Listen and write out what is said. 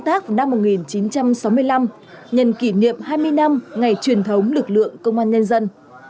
công tác năm một nghìn chín trăm sáu mươi năm nhận kỷ niệm hai mươi năm ngày truyền thống lực lượng công an nhân dân